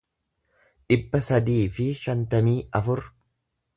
dhibba sadii fi shantamii afur